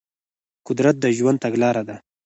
قدرت د ژوند تګلاره ده.